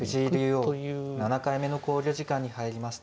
藤井竜王７回目の考慮時間に入りました。